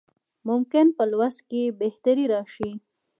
ممکن په لوست کې یې بهتري راشي.